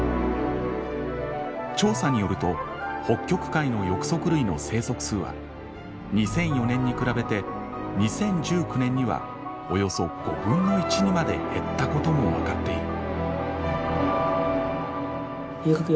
調査によると北極海の翼足類の生息数は２００４年に比べて２０１９年にはおよそ５分の１にまで減ったことも分かっている。